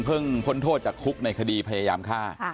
พ้นโทษจากคุกในคดีพยายามฆ่า